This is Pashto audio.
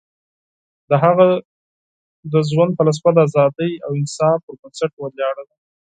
د هغه د ژوند فلسفه د ازادۍ او انصاف پر بنسټ ولاړه وه.